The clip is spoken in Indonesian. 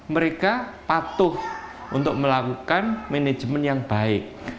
mereka patuh untuk melakukan manajemen yang baik